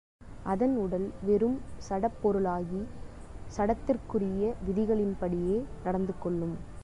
அதன் உடல் வெறும் சடப் பொருளாகி, சடத்திற்குரிய விதிகளின்படியே நடந்து கொள்ளும்.